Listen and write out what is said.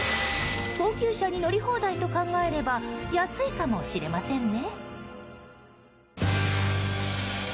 高級車に乗り放題と考えれば安いかもしれませんね。